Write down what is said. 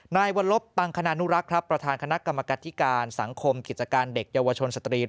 นายวัลลบตังคณานุรักษ์ครับประธานคณะกรรมการธิการสังคมกิจการเด็กเยาวชนสตรี